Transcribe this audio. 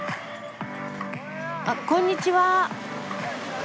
あっこんにちは。